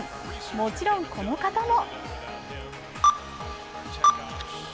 もちろんこの方も。